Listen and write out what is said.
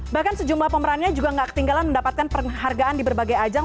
bahkan sejumlah pemerannya juga nggak ketinggalan mendapatkan penghargaan di berbagai ajang